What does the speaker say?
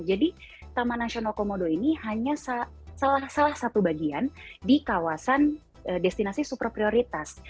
jadi taman nasional komodo ini hanya salah satu bagian di kawasan destinasi super prioritas